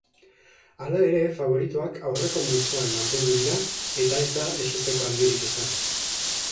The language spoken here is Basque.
Hala ere faboritoak aurreko multzoan mantendu dira eta ez da ezuteko handirik izan.